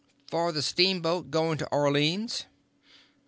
"For the steamboat; going to Orleans."